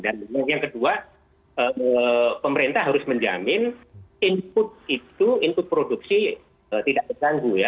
dan yang kedua pemerintah harus menjamin input itu input produksi tidak terganggu ya